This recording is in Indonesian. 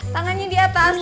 tangannya di atas